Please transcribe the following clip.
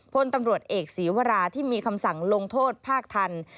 พลตำรวจเอกศีวราที่มีคำสั่งลงโทษภาคทัน